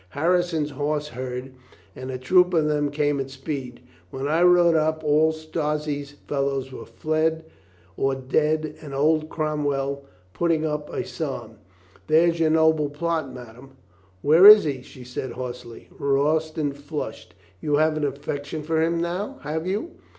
Harrison's horse heard and a troop of them came at speed. When I rode up all Strozzi's fel lows were fled or dead and old Cromwell putting up a psalm. There's your noble plot, madame." "Where is he?" she said hoarsely. Royston flushed. "You have an affection for him now, have you?